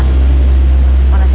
halo assalamualaikum jaka